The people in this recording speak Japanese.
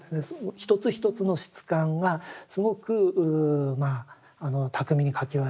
一つ一つの質感がすごくまあ巧みに描き分けられている。